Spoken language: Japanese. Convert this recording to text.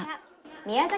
宮崎